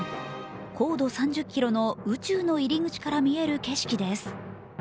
高度３０ｋｍの宇宙の入り口から見える景色です。